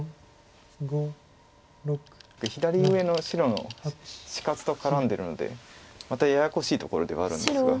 左上の白の死活と絡んでるのでまたややこしいところではあるんですが。